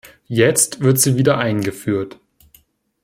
Jetzt wird sie wieder eingeführt.